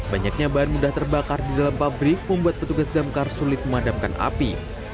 banyaknya bahan mudah terbakar di dalam pabrik membuat petugas damkar sulit memadamkan api